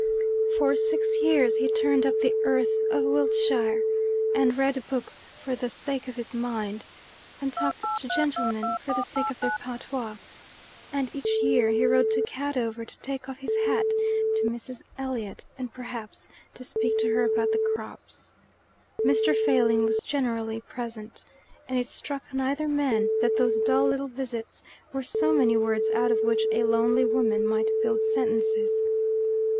For six years he turned up the earth of Wiltshire, and read books for the sake of his mind, and talked to gentlemen for the sake of their patois, and each year he rode to Cadover to take off his hat to Mrs. Elliot, and, perhaps, to speak to her about the crops. Mr. Failing was generally present, and it struck neither man that those dull little visits were so many words out of which a lonely woman might build sentences.